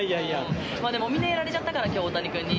でもみんなやられちゃったから、きょう、大谷君に。